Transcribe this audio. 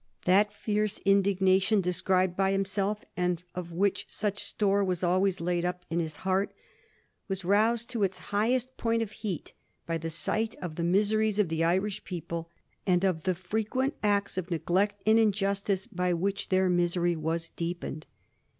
That fierce indignation described by himself, and of which such store was always laid up in his heart, was roused to its highest point of heat by the sight of the miseries of the Irish people and of the frequent acts of neglect and injustice by which their misery was deepened.